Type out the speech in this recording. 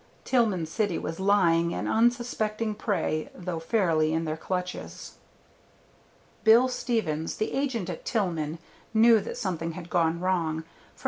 Tillman City was lying an unsuspecting prey, though fairly in their clutches. Bill Stevens, the agent at Tillman, knew that something had gone wrong, for No.